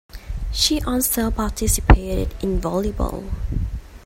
She also participated in volleyball.